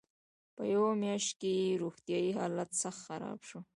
په یوه میاشت کې یې روغتیایي حالت سخت خراب شو.